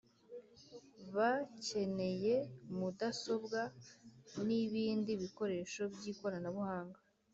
Bkeneye mudasobwa n’ibindi bikoresho by’ikoranabuhanga